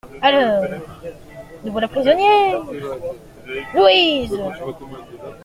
Alors, nous voilà prisonnières ? LOUISE.